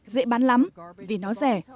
dễ bán lắm vì nó rẻ